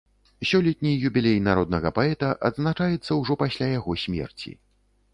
Сёлетні юбілей народнага паэта адзначаецца ўжо пасля яго смерці.